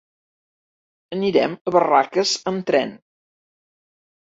Anirem a Barraques amb tren.